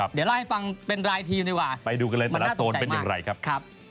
เดี๋ยวล่าให้ฟังเป็นรายทีมดีกว่ามันน่าสนใจมาก